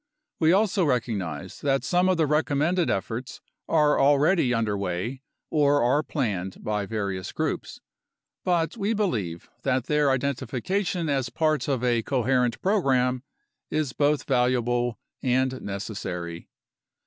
We also recognize that some of the recommended efforts are already under way or are planned by various groups, but we believe that their identification as parts of a coherent program is both valuable and necessary.